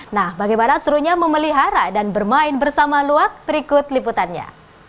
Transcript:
nah bagaimana serunya memelihara dan bermain bersama luak berikut liputannya